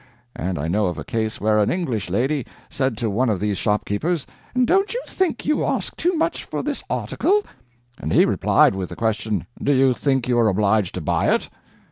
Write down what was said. And I know of a case where an English lady said to one of these shopkeepers, 'Don't you think you ask too much for this article?' and he replied with the question, 'Do you think you are obliged to buy it?'